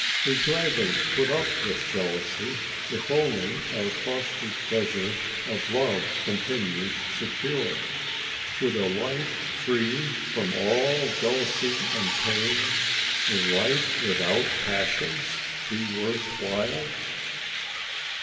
We gladly put up with jealousy if only our costly treasure of love continues secure. Would a life free from all jealousy and pain, a life without passions, be worth while?